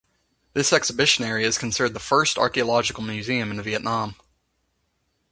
The exhibition area is considered the first archaeological museum in Vietnam.